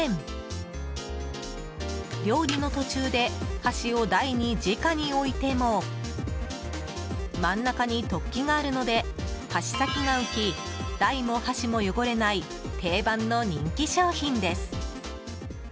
料理の途中で箸を台にじかに置いても真ん中に突起があるので箸先が浮き台も箸も汚れない定番の人気商品です。